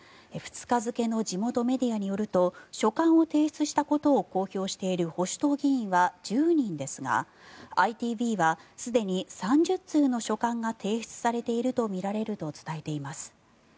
２日付の地元メディアによると書簡を提出したことを公表している保守党議員は１０人ですがＩＴＶはすでに３０通の書簡が提出されているとみられると伝えています。